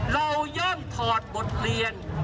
ย่อมถอดบทเรียน